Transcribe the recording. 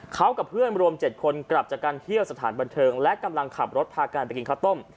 เขากับเพื่อนรวม๗คนกลับจากการเที่ยวสถานบันเทิงและกำลังขับรถพากันไปกินข้าวต้ม